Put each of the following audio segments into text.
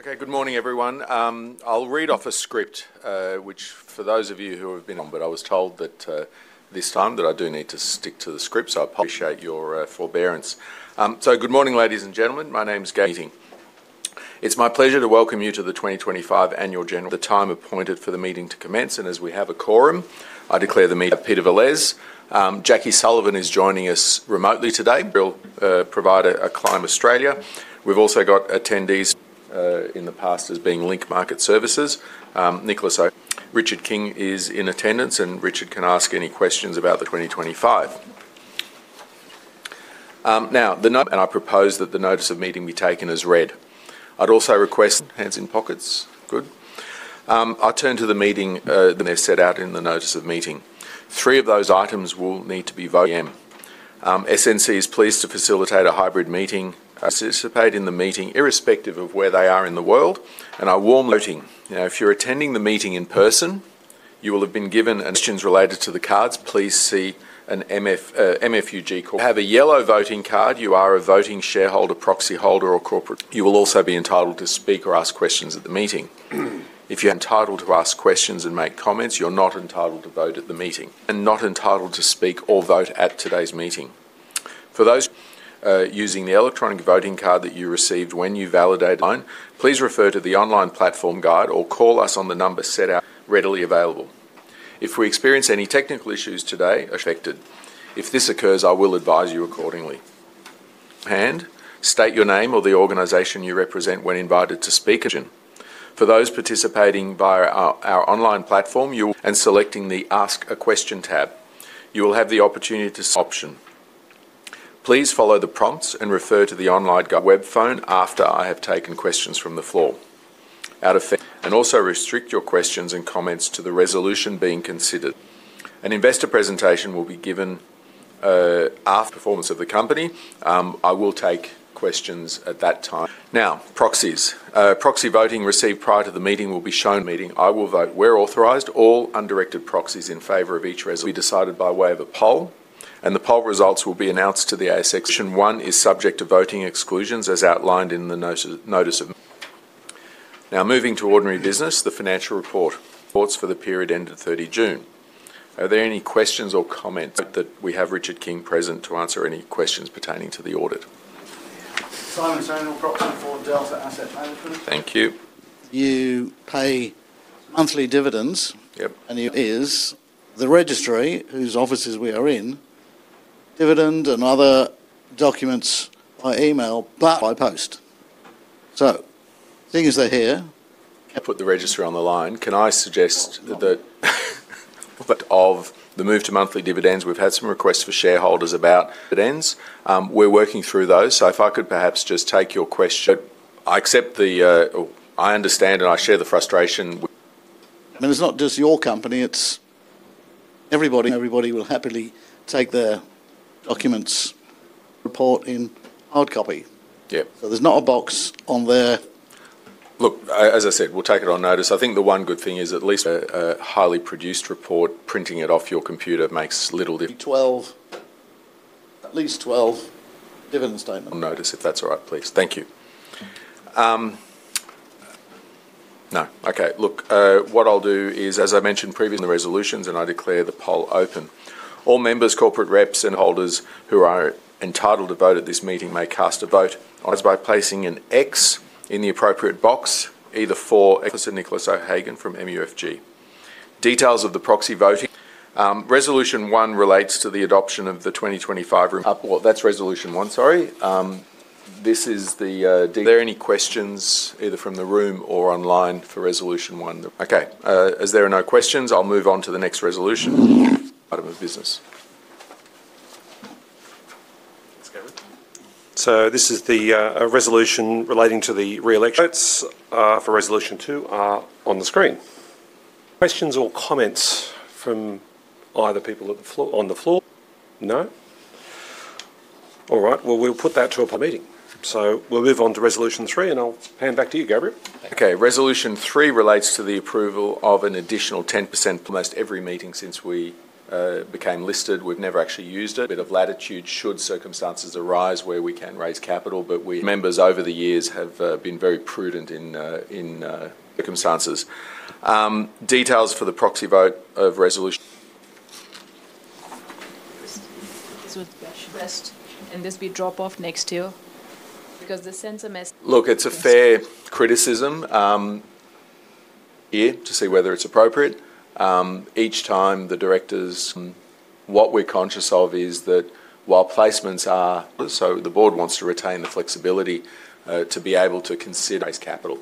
Okay, good morning everyone. I'll read off a script, which for those of you who have been. But I was told that, this time that I do need to stick to the script, so I appreciate your, forbearance. So good morning ladies and gentlemen, my name's Gabriel Radzyminski. It's my pleasure to welcome you to the 2025 Annual General. The time appointed for the meeting to commence, and as we have a quorum, I declare the meeting of Peter Velez. Jackie Sullivan is joining us remotely today. We'll, provide a, a Climb Australia. We've also got attendees, in the past as being Link Market Services. Nicholas. Richard King is in attendance, and Richard can ask any questions about the 2025. Now, the. And I propose that the notice of meeting be taken as read. I'd also request. Hands in pockets. Good. I turn to the meeting. They're set out in the notice of meeting. Three of those items will need to be voted by A.M. Sandon Capital Investments is pleased to facilitate a hybrid meeting. Participate in the meeting irrespective of where they are in the world, and I warmly. Voting. Now, if you're attending the meeting in person, you will have been given an. Questions related to the cards, please see an MUFG. Have a yellow voting card, you are a voting shareholder, proxy holder, or corporate. You will also be entitled to speak or ask questions at the meeting. If you're entitled to ask questions and make comments, you're not entitled to vote at the meeting. And not entitled to speak or vote at today's meeting. For those using the electronic voting card that you received when you validated online, please refer to the online platform guide or call us on the number set out. Readily available. If we experience any technical issues today, affected. If this occurs, I will advise you accordingly. Hand, state your name or the organization you represent when invited to speak at the meeting. For those participating via our online platform, you will. And selecting the Ask a Question tab. You will have the opportunity to. Option. Please follow the prompts and refer to the online guide on your web phone after I have taken questions from the floor. Out of. And also restrict your questions and comments to the resolution being considered. An investor presentation will be given, after. Performance of the company. I will take questions at that time. Now, proxies. Proxy voting received prior to the meeting will be shown. Meeting, I will vote where authorized, all undirected proxies in favor of each resolution will be decided by way of a poll, and the poll results will be announced to the ASX. One is subject to voting exclusions as outlined in the notice of meeting. Now, moving to ordinary business, the financial report. Reports for the period ended 30 June. Are there any questions or comments? Note that we have Richard King present to answer any questions pertaining to the audit. Simon Sondel, proxy for Delta Asset Management. Thank you. You pay monthly dividends. Yep. Services is the registrar whose offices we are in. Dividend and other documents by email, but by post. As soon as they're here. Put the registrar on the line. Can I suggest that of the move to monthly dividends, we've had some requests for shareholders about dividends. We're working through those, so if I could perhaps just take your question. I accept the, or I understand and I share the frustration. I mean, it's not just your company, it's everybody. Everybody will happily take their documents. Report in hard copy. Yep. There's not a box on there. Look, as I said, we'll take it on notice. I think the one good thing is at least a highly produced report, printing it off your computer makes little. 12, at least 12 dividend statements. On notice, if that's all right, please. Thank you. No. Okay. Look, what I'll do is, as I mentioned previously in the resolutions, I declare the poll open. All members, corporate reps, and holders who are entitled to vote at this meeting may cast a vote by placing an X in the appropriate box, either for. Officer Nicholas O'Hagan from MUFG. Details of the proxy voting. Resolution One relates to the adoption of the 2025. Sorry, that's Resolution One. This is the, are there any questions either from the room or online for Resolution One? Okay. As there are no questions, I'll move on to the next resolution. Item of business. Thanks, Gary. This is the, a resolution relating to the re-election. Notes, for Resolution Two are on the screen. Questions or comments from either people at the floor? On the floor? No? All right. We'll put that to a meeting. We will move on to Resolution Three, and I'll hand back to you, Gabriel. Okay. Resolution Three relates to the approval of an additional 10%. Almost every meeting since we became listed, we've never actually used it. Bit of latitude, should circumstances arise where we can raise capital, but we members over the years have been very prudent in circumstances. Details for the proxy vote of Resolution. This would be best. This would be drop off next year because the sense of mess. Look, it's a fair criticism, here to see whether it's appropriate. Each time the directors. What we're conscious of is that while placements are. The board wants to retain the flexibility, to be able to consider raise capital.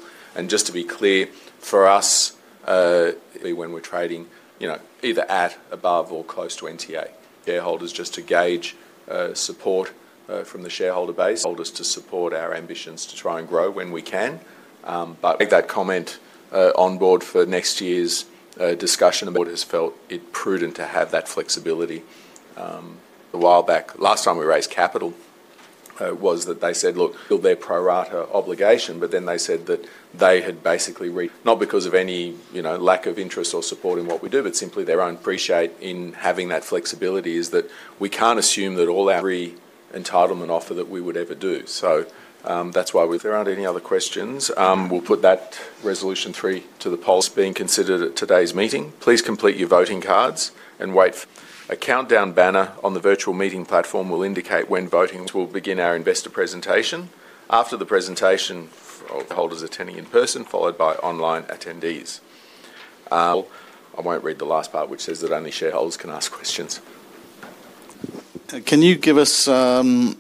Just to be clear, for us, when we're trading, you know, either at, above, or close to NTA. Shareholders just to gauge, support, from the shareholder base. Holders to support our ambitions to try and grow when we can. Make that comment, on board for next year's, discussion. The board has felt it prudent to have that flexibility. A while back, last time we raised capital, was that they said, "Look, build their pro-rata obligation," but then they said that they had basically. Not because of any, you know, lack of interest or support in what we do, but simply their own appreciation in having that flexibility is that we can't assume that all our pre-entitlement offer that we would ever do. That's why we've. There aren't any other questions. We'll put that Resolution Three to the poll as being considered at today's meeting. Please complete your voting cards and wait for a countdown banner on the virtual meeting platform, which will indicate when voting will begin. Our investor presentation, after the presentation of holders attending in person, followed by online attendees. I won't read the last part, which says that only shareholders can ask questions. Can you give us, um,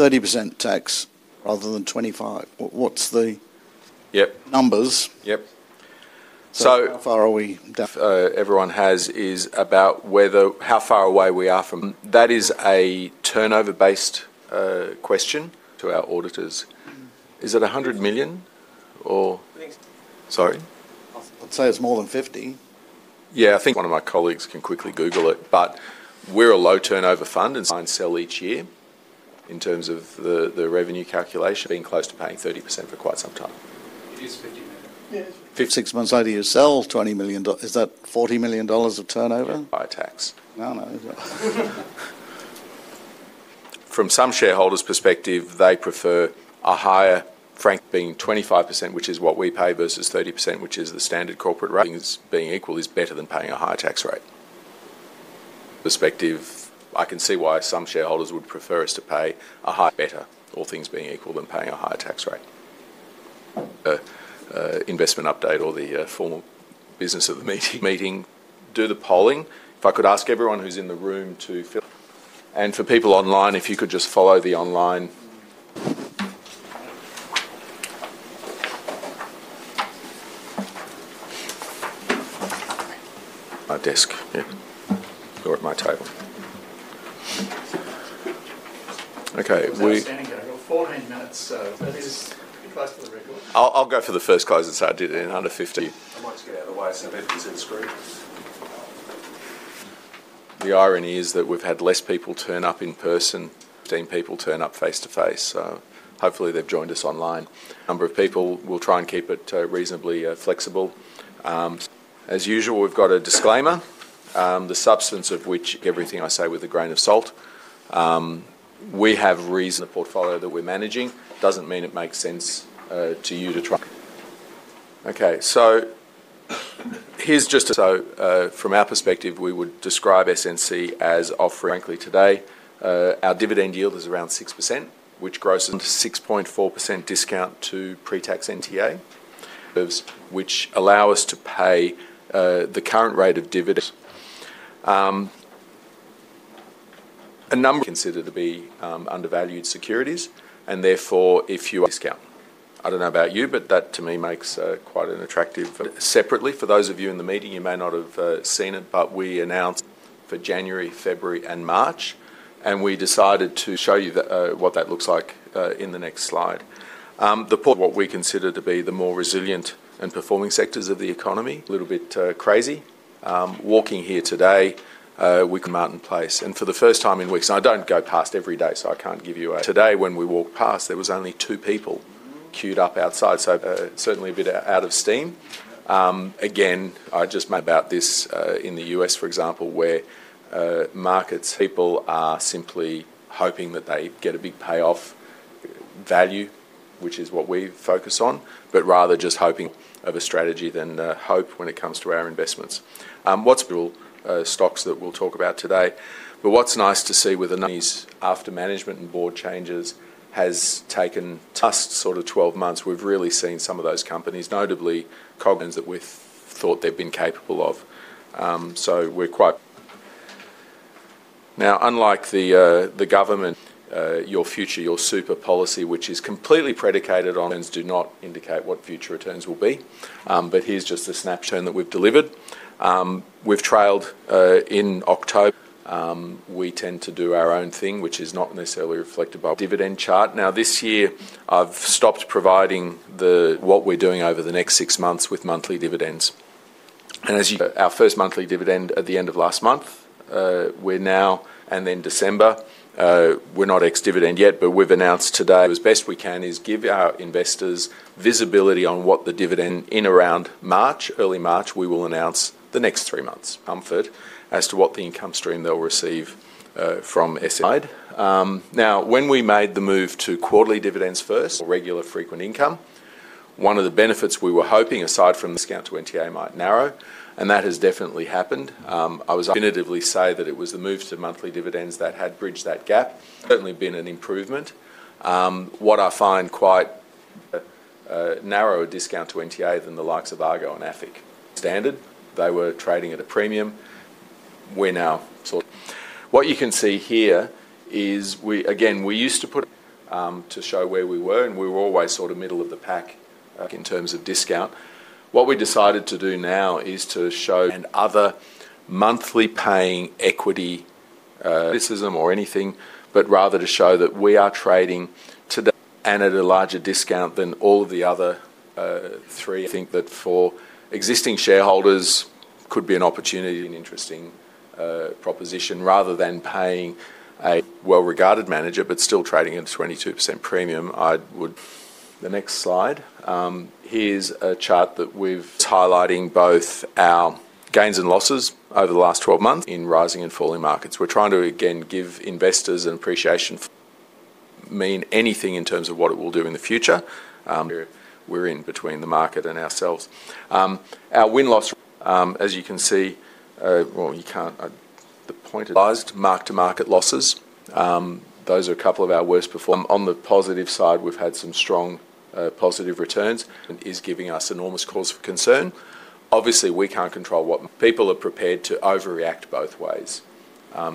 30% tax rather than 25%? What's the— Yep. Numbers? Yep. So. How far are we? Everyone has is about whether how far away we are from. That is a turnover-based question to our auditors. Is it 100 million or? Sorry? I'd say it's more than 50. Yeah, I think one of my colleagues can quickly Google it, but we're a low turnover fund and sell each year in terms of the, the revenue calculation. Been close to paying 30% for quite some time. It is 50 million. Yeah, it's 50. Six months later you sell $20 million. Is that $40 million of turnover? Higher tax. No, no. From some shareholders' perspective, they prefer a higher Frank being 25%, which is what we pay versus 30%, which is the standard corporate rate. Being equal is better than paying a higher tax rate. Perspective, I can see why some shareholders would prefer us to pay a higher better, all things being equal, than paying a higher tax rate. Investment update or the formal business of the meeting. Meeting, do the polling. If I could ask everyone who's in the room to fill. And for people online, if you could just follow the online. My desk. Yeah. You're at my table. Okay. We. 14 minutes. That is the price for the record. I'll go for the first closing so I did it in under 50. I might just get out of the way so everything's in the screen. The irony is that we've had less people turn up in person. People turn up face to face, so hopefully they've joined us online. Number of people. We'll try and keep it reasonably flexible. As usual, we've got a disclaimer, the substance of which everything I say with a grain of salt. We have reason the portfolio that we're managing doesn't mean it makes sense to you too. Okay. So here's just. From our perspective, we would describe SNC as offering, frankly, today our dividend yield is around 6%, which grosses 6.4% discount to pre-tax NTA. Serves which allow us to pay the current rate of dividends. A number. Consider to be undervalued securities. And therefore, if you are discount. I don't know about you, but that to me makes quite an attractive. Separately, for those of you in the meeting, you may not have seen it, but we announced for January, February, and March, and we decided to show you what that looks like in the next slide. The portfolio, what we consider to be the more resilient and performing sectors of the economy. A little bit crazy walking here today, we Martin Place. And for the first time in weeks, and I do not go past every day, so I cannot give you a today, when we walked past, there were only two people queued up outside, so certainly a bit out of steam. Again, I just, about this, in the U.S., for example, where markets, people are simply hoping that they get a big payoff value, which is what we focus on, but rather just hoping. More of a strategy than hope when it comes to our investments. What's a few stocks that we'll talk about today. What's nice to see with the company's after management and board changes has taken us sort of 12 months, we've really seen some of those companies, notably Coglins, that we've thought they've been capable of. So we're quite. Now, unlike the government, your future, your super policy, which is completely predicated on returns do not indicate what future returns will be. Here's just a snapshot that we've delivered. We've trailed in October. We tend to do our own thing, which is not necessarily reflected by dividend chart. This year, I've stopped providing the. What we're doing over the next six months with monthly dividends. As you our first monthly dividend at the end of last month, we're now. In December, we're not ex-dividend yet, but we've announced today as best we can to give our investors visibility on what the dividend in around March, early March, we will announce the next three months. Comfort as to what the income stream they'll receive from Sandon Capital Investments' side. Now, when we made the move to quarterly dividends first, regular frequent income, one of the benefits we were hoping, aside from discount to NTA, might narrow, and that has definitely happened. I would definitively say that it was the move to monthly dividends that had bridged that gap. Certainly been an improvement. What I find quite, a narrower discount to NTA than the likes of Argo and AFIC. Standard, they were trading at a premium. We're now sort of. What you can see here is we again, we used to put, to show where we were, and we were always sort of middle of the pack, in terms of discount. What we decided to do now is to show. And other monthly paying equity, criticism or anything, but rather to show that we are trading today and at a larger discount than all of the other, three. I think that for existing shareholders could be an opportunity and interesting, proposition rather than paying a well-regarded manager, but still trading at a 22% premium, I would. The next slide. Here's a chart that we've highlighting both our gains and losses over the last 12 months in rising and falling markets. We're trying to again give investors an appreciation. Mean anything in terms of what it will do in the future. Where we're in between the market and ourselves. Our win-loss risk. As you can see, well, you cannot, that is the point. Marked-to-market losses. Those are a couple of our worst performers. On the positive side, we have had some strong, positive returns. Is giving us enormous cause for concern. Obviously, we cannot control what people are prepared to overreact both ways.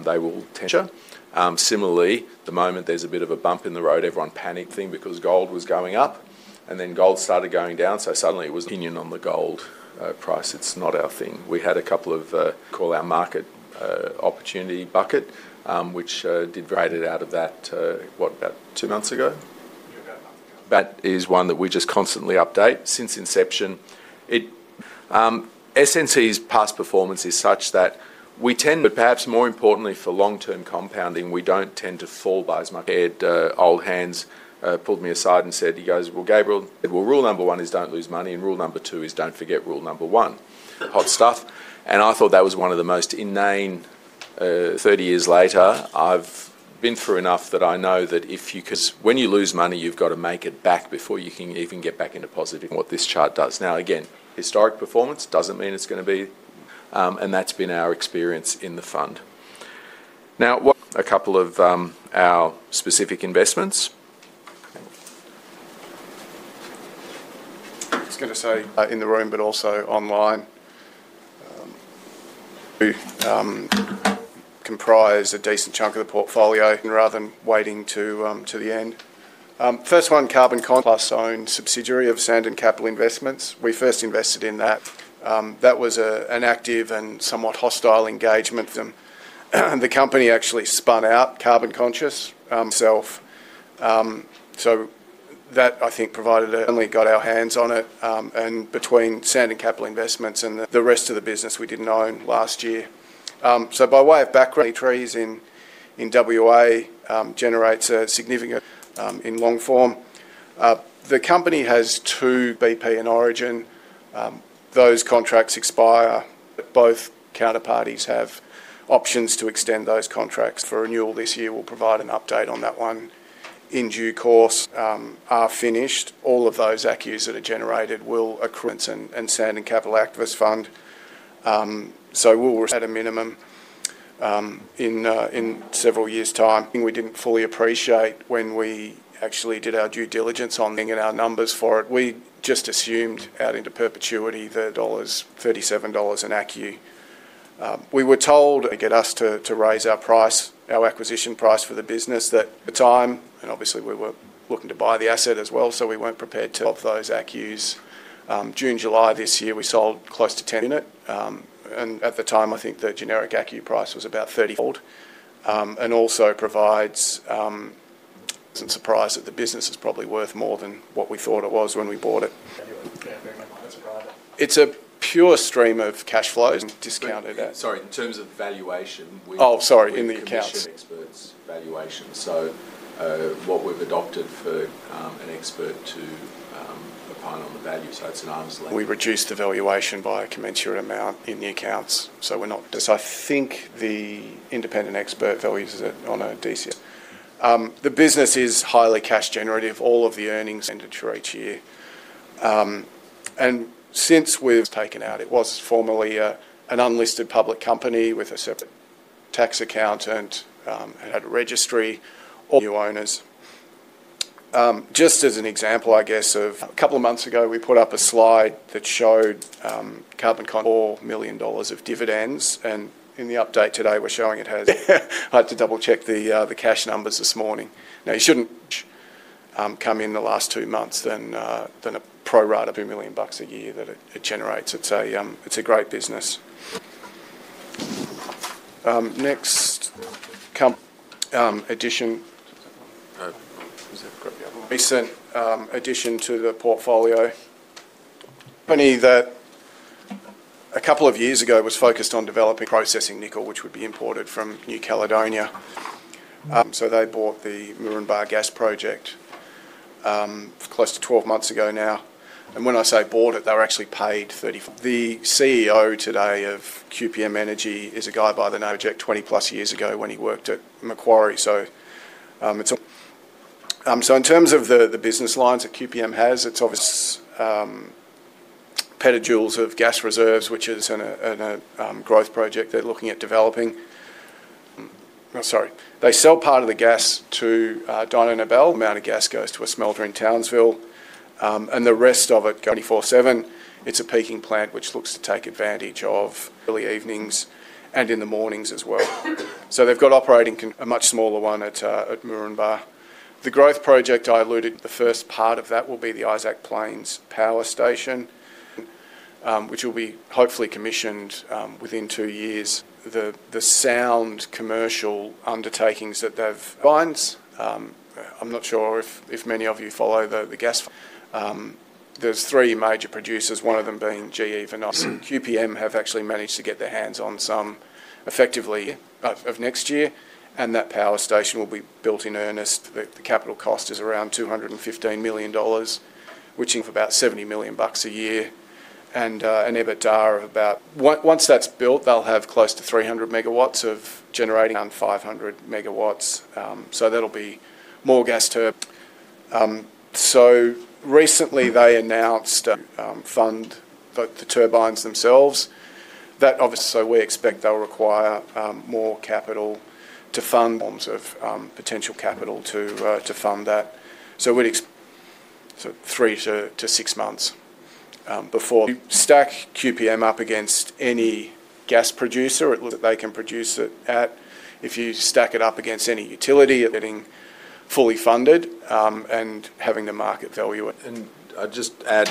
They will tensure. Similarly, the moment there is a bit of a bump in the road, everyone panicked thing because gold was going up, and then gold started going down, so suddenly it was opinion on the gold price. It is not our thing. We had a couple of, call our market, opportunity bucket, which did very good out of that, what, about two months ago? Yeah, about a month ago. That is one that we just constantly update since inception. SNC's past performance is such that we tend, but perhaps more importantly, for long-term compounding, we do not tend to fall by as much. Old hands pulled me aside and said, he goes, "Well, Gabriel, rule number one is do not lose money, and rule number two is do not forget rule number one." Hot stuff. I thought that was one of the most inane, 30 years later, I have been through enough that I know that if you can when you lose money, you have got to make it back before you can even get back into positive. What this chart does. Now, again, historic performance does not mean it is going to be, and that has been our experience in the fund. Now. A couple of our specific investments. I was going to say. In the room, but also online. We comprise a decent chunk of the portfolio. Rather than waiting to, to the end. First one, Carbon Conscious-owned subsidiary of Sandon Capital Investments. We first invested in that. That was an active and somewhat hostile engagement. Them. The company actually spun out Carbon Conscious itself. So that I think provided a got our hands on it. And between Sandon Capital Investments and the rest of the business we did not own last year. So by way of background, 2023s in, in WA, generates a significant. In long form. The company has two BP and Origin. Those contracts expire, but both counterparties have options to extend those contracts for renewal this year. We will provide an update on that one in due course. Are finished. All of those ACCUs that are generated will accrue in Sandon Capital Activist Fund. We'll, at a minimum, in several years' time. We didn't fully appreciate when we actually did our due diligence on and our numbers for it. We just assumed out into perpetuity the dollars 37 an ACCU. We were told, get us to raise our price, our acquisition price for the business that over time, and obviously we were looking to buy the asset as well, so we weren't prepared to of those ACCUs. June, July this year, we sold close to 10 units. At the time, I think the generic ACCU price was about 30. Hold, and also provides, isn't surprised that the business is probably worth more than what we thought it was when we bought it. You understand very much why that's a private. It's a pure stream of cash flows. Discounted out. Sorry, in terms of valuation, we. Oh, sorry, in the accounts. Expert's valuation. What we've adopted for, an expert to, opine on the value. It's an arm's length. We reduce the valuation by a commensurate amount in the accounts. So we're not. I think the independent expert values it on a DCS. The business is highly cash generative. All of the earnings standard for each year. And since we've taken out, it was formerly an unlisted public company with a separate tax accountant, and had a registry. New owners. Just as an example, I guess, of a couple of months ago, we put up a slide that showed, Carbon 4 million dollars of dividends. And in the update today, we're showing it has, I had to double-check the cash numbers this morning. Now, you shouldn't, come in the last two months than, than a pro rata of 1 million bucks a year that it generates. It's a, it's a great business. Next come, addition. Recent addition to the portfolio. Company that a couple of years ago was focused on developing processing nickel, which would be imported from New Caledonia. They bought the Murrin Murrin Gas Project, close to 12 months ago now. And when I say bought it, they were actually paid 35. The CEO today of QPM Energy is a guy by the name of Jack, 20 plus years ago when he worked at Macquarie. In terms of the business lines that QPM has, it is obvious, petajoules of gas reserves, which is a growth project they are looking at developing. No, sorry. They sell part of the gas to Dyno Nobel. Amount of gas goes to a smelter in Townsville, and the rest of it goes 24/7. It is a peaking plant which looks to take advantage of early evenings and in the mornings as well. They've got operating a much smaller one at Murrin Murrin. The growth project I alluded, the first part of that will be the Isaac Plains Power Station, which will be hopefully commissioned within two years. The sound commercial undertakings that they've combined. I'm not sure if many of you follow the gas fund. There's three major producers, one of them being GE Venice. QPM have actually managed to get their hands on some effectively of next year, and that power station will be built in earnest. The capital cost is around 215 million dollars, which means about 70 million bucks a year. An EBITDA of about, once that's built, they'll have close to 300 megawatts of generating around 500 megawatts. That'll be more gas turbines. Recently they announced fund, but the turbines themselves. That obviously, we expect they'll require more capital to fund forms of potential capital to fund that. We'd expect three to six months before you stack QPM up against any gas producer. It looks that they can produce it at, if you stack it up against any utility, getting fully funded and having the market value. I will just add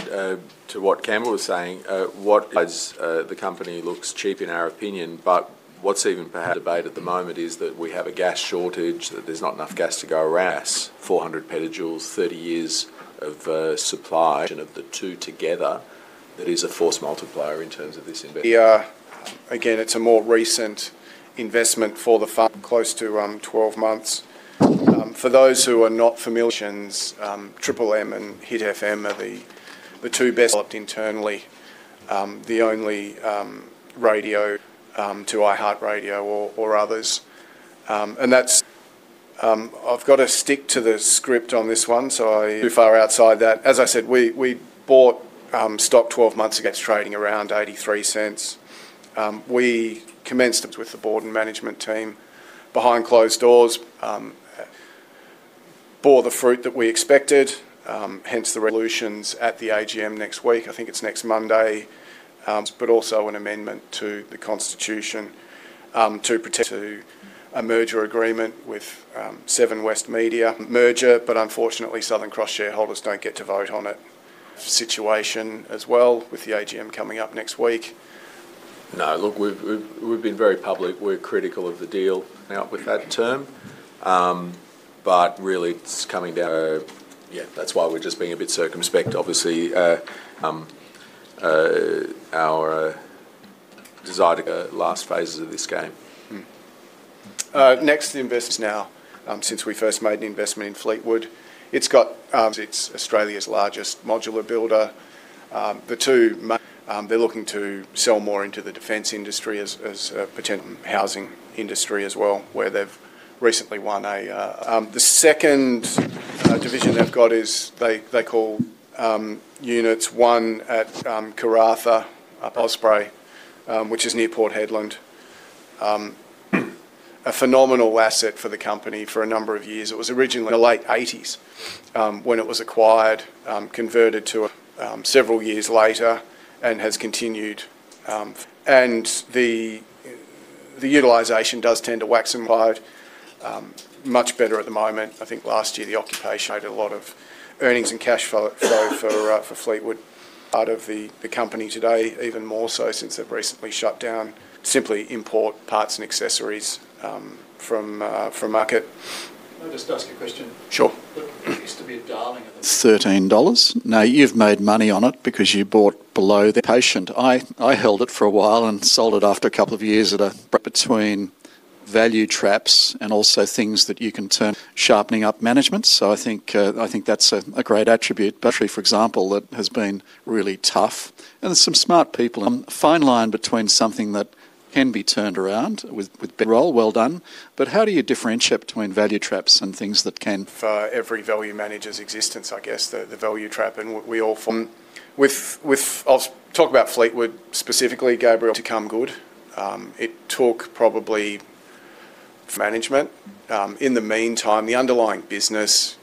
to what Campbell was saying. What is, the company looks cheap in our opinion, but what is even perhaps debated at the moment is that we have a gas shortage, that there is not enough gas to go around. Gas, 400 petajoules, 30 years of supply of the two together, that is a force multiplier in terms of this investment. We are, again, it's a more recent investment for the fund, close to 12 months. For those who are not familiar, Triple M and Hit FM are the two best developed internally. The only radio to iHeartRadio or others. That's, I've got to stick to the script on this one, so I do not go too far outside that. As I said, we bought stock 12 months ago, it's trading around 0.83. We commenced with the board and management team behind closed doors, bore the fruit that we expected, hence the resolutions at the AGM next week. I think it's next Monday, but also an amendment to the constitution, to protect a merger agreement with Seven West Media merger, but unfortunately, Southern Cross shareholders do not get to vote on it. Situation as well with the AGM coming up next week. No, look, we've been very public. We're critical of the deal now with that term, but really it's coming down to, yeah, that's why we're just being a bit circumspect. Obviously, our desire to go last phases of this game. Next, the investment now, since we first made an investment in Fleetwood, it's got, it's Australia's largest modular builder. The two, they're looking to sell more into the defense industry as, as, potential housing industry as well, where they've recently won a, the second division they've got is they, they call, units one at Karratha, Osprey, which is near Port Hedland. A phenomenal asset for the company for a number of years. It was originally in the late 1980s, when it was acquired, converted to, several years later and has continued. The utilization does tend to wax and wane, much better at the moment. I think last year the occupation showed a lot of earnings and cash flow for Fleetwood. Part of the company today, even more so since they've recently shut down, simply import parts and accessories from market. Can I just ask you a question? Sure. Look, it used to be a darling of the 13. Now, you've made money on it because you bought below the patient. I held it for a while and sold it after a couple of years at a between value traps and also things that you can turn. Sharpening up management. I think that's a great attribute. For example, that has been really tough. There are some smart people. Fine line between something that can be turned around with better role. Well done. How do you differentiate between value traps and things that can? For every value manager's existence, I guess, the value trap. We all, with, with I'll talk about Fleetwood specifically, Gabriel, to come good. It took probably management. In the meantime, the underlying business is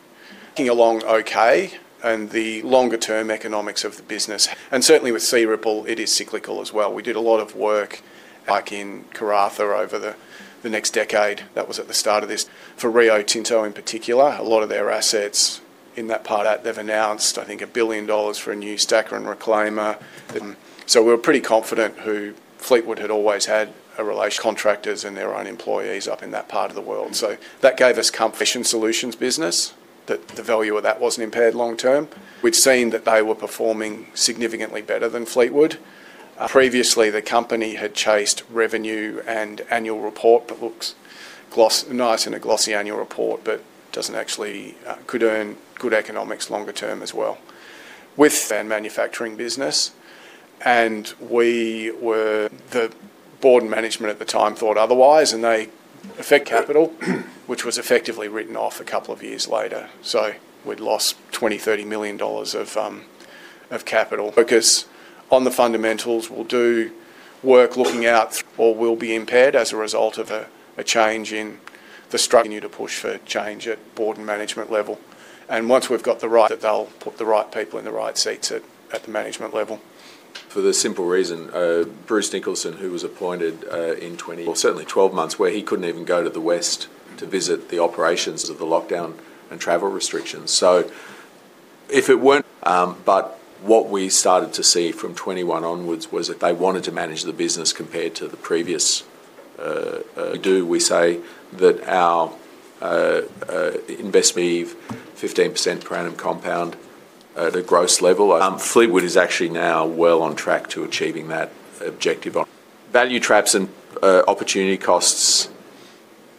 looking along okay, and the longer-term economics of the business. Certainly with Sea Ripple, it is cyclical as well. We did a lot of work, like in Karratha, over the next decade. That was at the start of this for Rio Tinto in particular. A lot of their assets in that part out, they've announced, I think, 1 billion dollars for a new stack and reclaimer. We were pretty confident Fleetwood had always had a relationship with contractors and their own employees up in that part of the world. That gave us comfort in the solutions business that the value of that wasn't impaired long term. We'd seen that they were performing significantly better than Fleetwood. Previously the company had chased revenue and annual report that looks nice in a glossy annual report, but doesn't actually, could earn good economics longer term as well. With band manufacturing business. We were, the board and management at the time thought otherwise, and they affect capital, which was effectively written off a couple of years later. We lost 20-30 million dollars of capital. Focus on the fundamentals. We'll do work looking out or will be impaired as a result of a change in the structure. You need to push for change at board and management level. Once we've got the right, they'll put the right people in the right seats at the management level. For the simple reason, Bruce Nicholson, who was appointed in 2020, well, certainly 12 months, where he could not even go to the West to visit the operations because of the lockdown and travel restrictions. If it were not, but what we started to see from 2021 onwards was that they wanted to manage the business compared to the previous. We do, we say that our investment of 15% per annum compound, at a gross level, Fleetwood is actually now well on track to achieving that objective. Value traps and opportunity costs,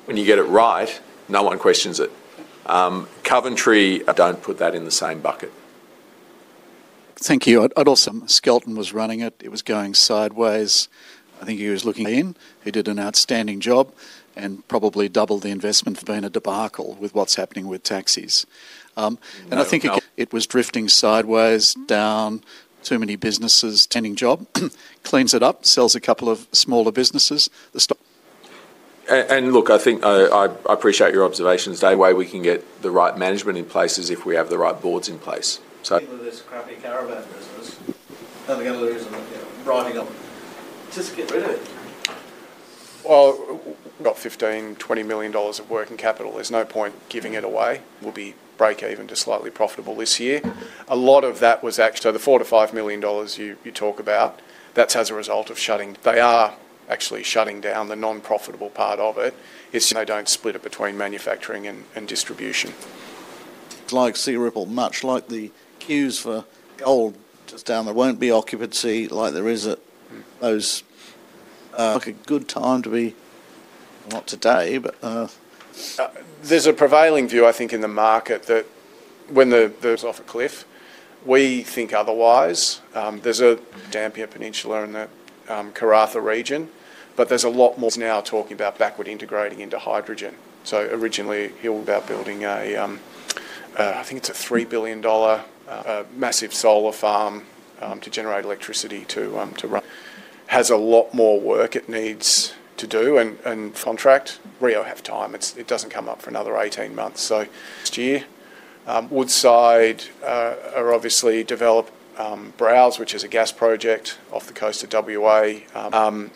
when you get it right, no one questions it. Coventry, I do not put that in the same bucket. Thank you. I also think Skelton was running it. It was going sideways. I think he was looking in. He did an outstanding job and probably doubled the investment from being a debacle with what's happening with taxis. I think it was drifting sideways, down too many businesses. Ending job, cleans it up, sells a couple of smaller businesses. The stock. I think, I appreciate your observations. The only way we can get the right management in place is if we have the right boards in place. So people in this crappy caravan business, how are they gonna lose them? You know, riding up, just get rid of it. We have 15-20 million dollars of working capital. There's no point giving it away. We'll be break even to slightly profitable this year. A lot of that was actually the 4-5 million dollars you talk about. That's as a result of shutting. They are actually shutting down the non-profitable part of it. It's just they don't split it between manufacturing and distribution. Like Sea Ripple, much like the queues for old just down there, there won't be occupancy like there is at those, like a good time to be, not today, but there's a prevailing view, I think, in the market that when the, the off a cliff. We think otherwise. There's a Dampier Peninsula in the Karratha region, but there's a lot more now talking about backward integrating into hydrogen. Originally he was about building a, I think it's a 3 billion dollar, massive solar farm, to generate electricity to run, has a lot more work it needs to do and contract Rio have time. It doesn't come up for another 18 months. Next year, Woodside are obviously developing Browse, which is a gas project off the coast of Western Australia.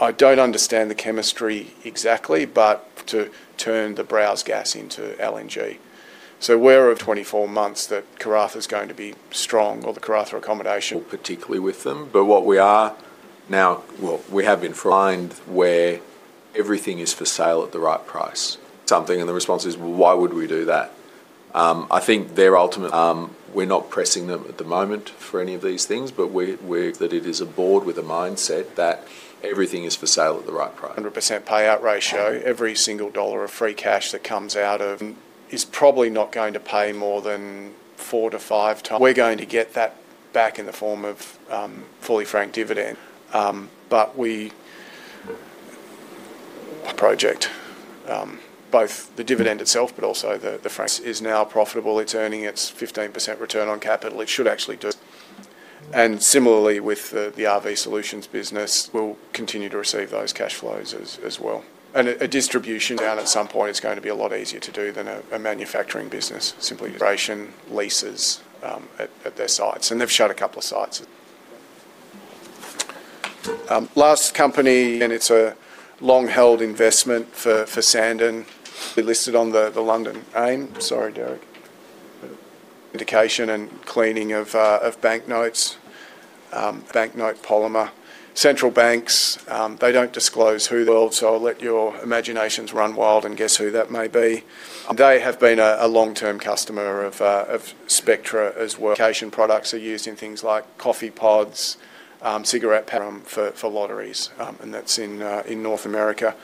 I don't understand the chemistry exactly, but to turn the Browse gas into LNG. Over 24 months, Karratha's going to be strong or the Karratha accommodation. Particularly with them. What we are now, we have been trying to find where everything is for sale at the right price. Something. The response is, why would we do that? I think ultimately, we're not pressing them at the moment for any of these things, but it is a board with a mindset that everything is for sale at the right price. 100% payout ratio. Every single dollar of free cash that comes out of is probably not going to pay more than four to five times. We're going to get that back in the form of fully franked dividend. We project both the dividend itself, but also the frank is now profitable. It's earning its 15% return on capital. It should actually do. Similarly with the RV solutions business, we'll continue to receive those cash flows as well. A distribution down at some point is going to be a lot easier to do than a manufacturing business. Simply operation leases at their sites. They've shut a couple of sites. Last company, and it's a long-held investment for Sandon, listed on the London AIM. Sorry, Derek. Indication and cleaning of bank notes, bank note polymer. Central banks, they do not disclose who the world, so I'll let your imaginations run wild and guess who that may be. They have been a long-term customer of Spectra as well. Vacation products are used in things like coffee pods, cigarette packs for lotteries, and that is in North America.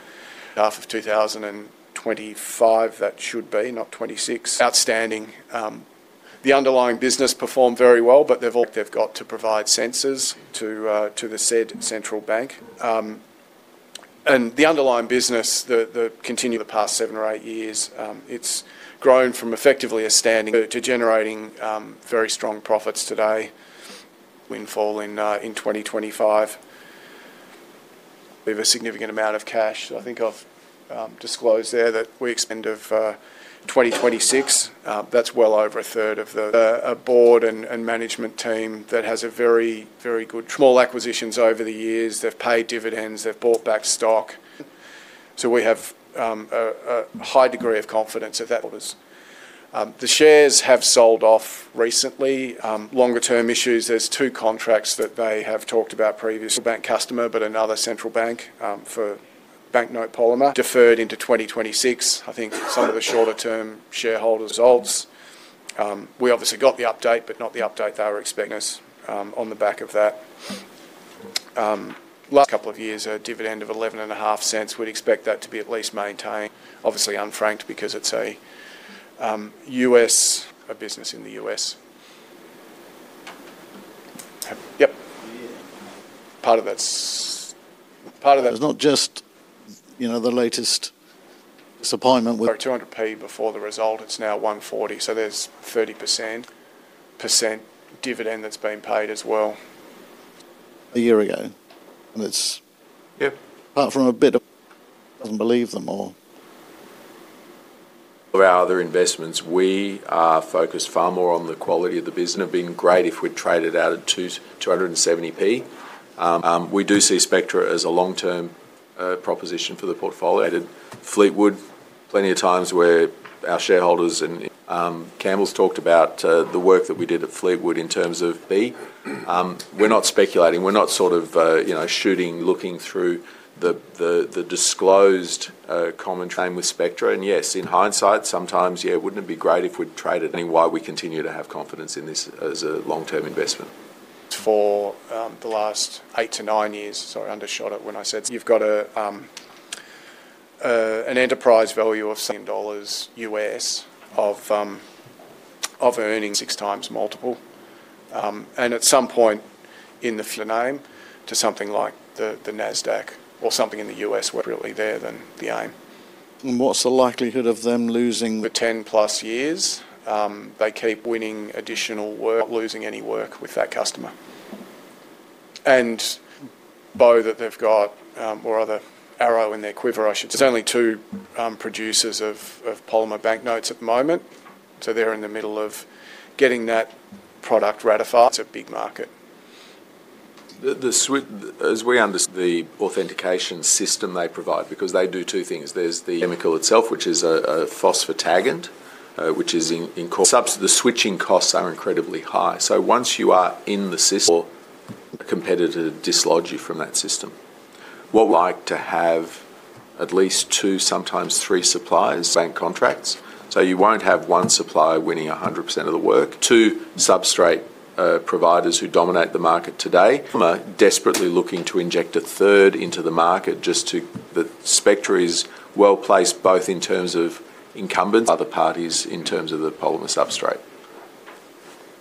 Half of 2025, that should be not 2026. Outstanding. The underlying business performed very well, but they have got to provide sensors to the said central bank. The underlying business, the continued the past seven or eight years, it has grown from effectively a standing to generating very strong profits today. Windfall in 2025. We have a significant amount of cash that I think I have disclosed there that we expend of 2026. That's well over a third of the board and management team that has a very, very good small acquisitions over the years. They've paid dividends. They've bought back stock. We have a high degree of confidence that that orders. The shares have sold off recently. Longer-term issues. There's two contracts that they have talked about previously. Bank customer, but another central bank, for bank note polymer deferred into 2026. I think some of the shorter-term shareholders' results. We obviously got the update, but not the update they were expecting us, on the back of that. Last couple of years, a dividend of 0.115. We'd expect that to be at least maintained. Obviously unfranked because it's a US business in the US. Yep. Part of that's part of that. There's not just, you know, the latest disappointment with 200p before the result. It's now 140. So there's 30% dividend that's been paid as well a year ago. And it's, yep, apart from a bit of doesn't believe them. Or our other investments, we are focused far more on the quality of the business. It would have been great if we'd traded out at 270p. We do see Spectra as a long-term proposition for the portfolio. Fleetwood, plenty of times where our shareholders and Campbell's talked about the work that we did at Fleetwood in terms of, we're not speculating. We're not sort of, you know, shooting, looking through the disclosed, common train with Spectra. Yes, in hindsight, sometimes, yeah, wouldn't it be great if we'd traded? Anyway, we continue to have confidence in this as a long-term investment. For the last eight to nine years, sorry, undershot it when I said you've got an enterprise value of $US of earning six times multiple.At some point in the name to something like the NASDAQ or something in the US, we're really there than the AIM. What's the likelihood of them losing for 10 plus years? They keep winning additional work, not losing any work with that customer. And Bo that they've got, or other arrow in their quiver, I should say. There's only two producers of polymer bank notes at the moment. They're in the middle of getting that product ratified. It's a big market. The swit, as we understand the authentication system they provide, because they do two things. There's the chemical itself, which is a phosphatagant, which is in, in sub, the switching costs are incredibly high. Once you are in the system, or a competitor dislodge you from that system. What we like to have at least two, sometimes three suppliers bank contracts. You won't have one supplier winning 100% of the work. Two substrate providers who dominate the market today. Polymer desperately looking to inject a third into the market just to the Spectra is well placed both in terms of incumbents, other parties in terms of the polymer substrate.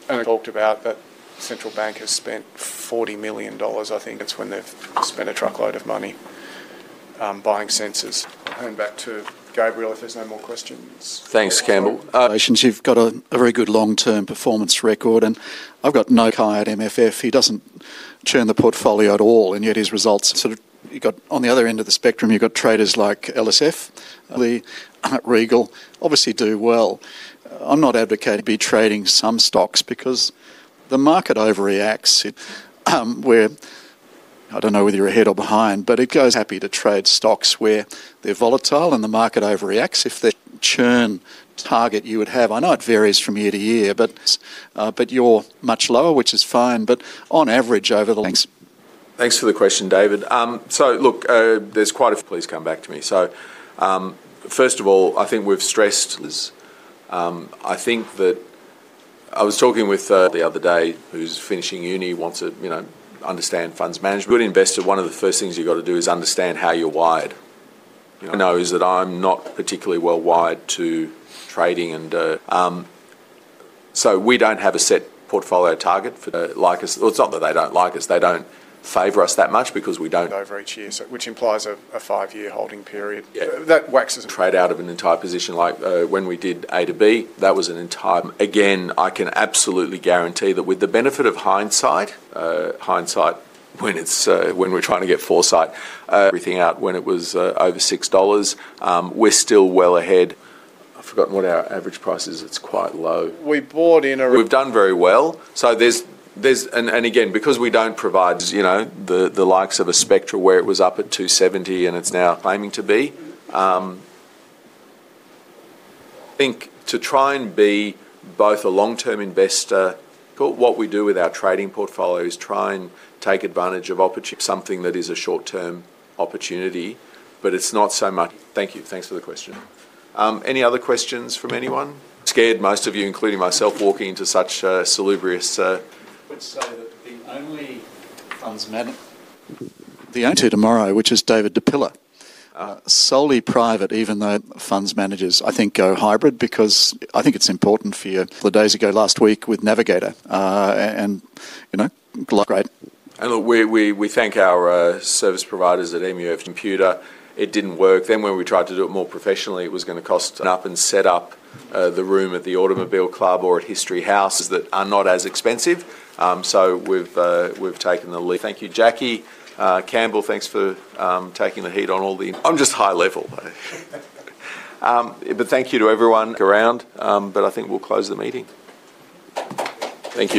I talked about that central bank has spent 40 million dollars. I think that's when they've spent a truckload of money, buying sensors. I'll hand back to Gabriel if there's no more questions. Thanks, Campbell. Relations. You've got a very good long-term performance record. I've got no high at MFF. He doesn't churn the portfolio at all. Yet his results sort of, you've got on the other end of the spectrum, you've got traders like LSF, Regal obviously do well. I'm not advocating be trading some stocks because the market overreacts. I don't know whether you're ahead or behind, but it goes happy to trade stocks where they're volatile and the market overreacts. If the churn target you would have, I know it varies from year to year, but you're much lower, which is fine. On average over the, thanks. Thanks for the question, David. Look, there's quite a few, please come back to me. First of all, I think we've stressed is, I think that I was talking with, the other day who's finishing uni, wants to, you know, understand funds management. Good investor, one of the first things you've got to do is understand how you're wired. You know, I know that I'm not particularly well wired to trading and, so we don't have a set portfolio target for, like us. Well, it's not that they don't like us. They don't favor us that much because we don't over each year, which implies a five-year holding period. That waxes trade out of an entire position like, when we did A2B, that was an entire, again, I can absolutely guarantee that with the benefit of hindsight, hindsight when it's, when we're trying to get foresight, everything out when it was, over 6 dollars, we're still well ahead. I've forgotten what our average price is. It's quite low. We bought in a, we've done very well. There's an, and again, because we don't provide, you know, the likes of a Spectra where it was up at 270 and it's now claiming to be, I think to try and be both a long-term investor, what we do with our trading portfolio is try and take advantage of opportunity, something that is a short-term opportunity, but it's not so much. Thank you. Thanks for the question. Any other questions from anyone? Scared most of you, including myself, walking into such, salubrious, would say that the only funds manager, the only two tomorrow, which is David Di Pilla, solely private, even though funds managers I think go hybrid because I think it's important for you. A couple of days ago last week with Navigator, and, you know, great. Look, we thank our service providers at MUFG. It did not work. When we tried to do it more professionally, it was going to cost. Up and set up the room at the Automobile Club or at History House that are not as expensive. We have taken the lead. Thank you, Jackie. Campbell, thanks for taking the heat on all the, I am just high level. Thank you to everyone around. I think we will close the meeting. Thank you.